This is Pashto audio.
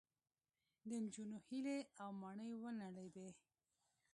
د نجونو هیلې او ماڼۍ ونړېدې